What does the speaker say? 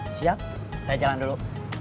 siap saya jalan dulu